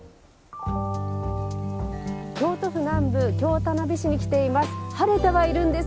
京都府南部京田辺市に来ています。